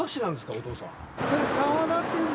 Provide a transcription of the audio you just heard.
お父さん。